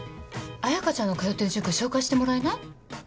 彩香ちゃんの通ってる塾紹介してもらえない？